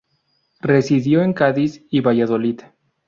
Residió en Cádiz y Valladolid.